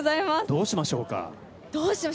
どうしましょうか。